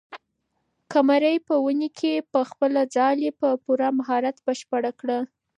قمرۍ په ونې کې خپله ځالۍ په پوره مهارت بشپړه کړه.